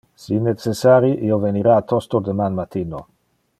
Si necessari, io venira tosto deman matino.